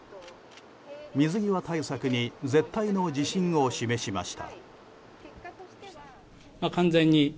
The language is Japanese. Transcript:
水際対策に絶対の自信を示しました。